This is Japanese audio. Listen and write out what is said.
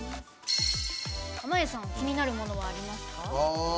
濱家さん気になるものありますか。